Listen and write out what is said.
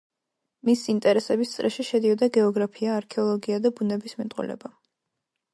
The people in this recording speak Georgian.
მისი ინტერესების წრეში შედიოდა გეოგრაფია, არქეოლოგია და ბუნებისმეტყველება.